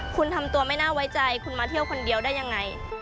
คุณทำตัวไม่น่าไว้ใจคุณมาเที่ยวคนเดียวได้ยังไง